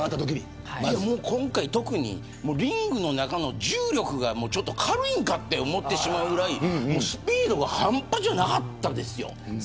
今回、特にリングの中の重力が軽いんかと思ってしまうぐらいスピードが半端じゃなかったですよ。